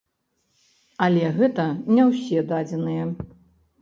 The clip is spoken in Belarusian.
Але гэта не ўсе дадзеныя.